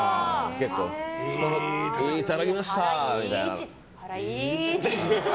いぃただきました！みたいな。